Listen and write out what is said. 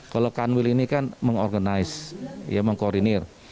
kalau kanwil ini kan mengorganize ya mengkoordinir